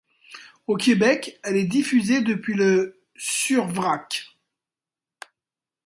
Au Québec, elle est diifusée depuis le sur Vrak.